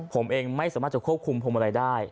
ผมเองไม่สามารถจะควบคุมพวงมาลัยได้